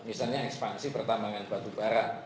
misalnya ekspansi pertambangan batu bara